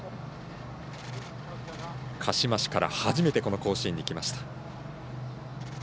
鹿嶋市から初めてこの甲子園にきました。